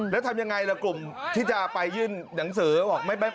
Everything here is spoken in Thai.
แล้วทำยังไงล่ะกลุ่มที่จะไปยื่นหนังสือบอก